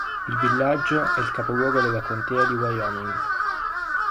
Il villaggio è il capoluogo della contea di Wyoming.